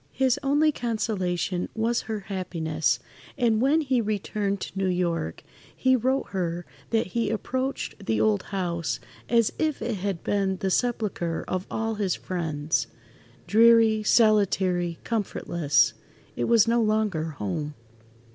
His only consolation was her happiness, and when he returned to New York, he wrote her that he approached the old house as if it had been [Pg 68]the sepulchre of all his friends. "Dreary, solitary, comfortless—it was no longer home."